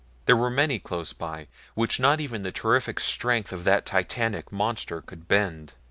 There were many close by which not even the terrific strength of that titanic monster could bend.